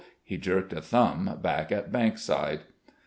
He jerked a thumb back at Bankside.